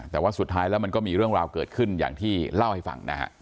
แต่ว่าสุดท้ายแล้วมันก็มีเรื่องราวเกิดขึ้นอย่างที่เล่าให้ฟังนะฮะ